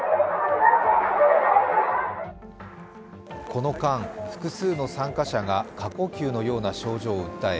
この間、複数の参加者が過呼吸のような症状を訴え